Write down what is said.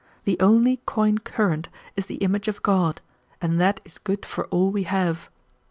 The only coin current is the image of God, and that is good for all we have.